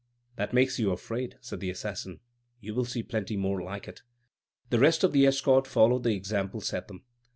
"That makes you afraid," said the assassin; "you will see plenty more like it." The rest of the escort followed the example set them.